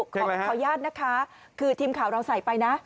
เพลงอะไรครับของข้าวญาตินะคะคือทีมข่าวเราใส่ไปนะ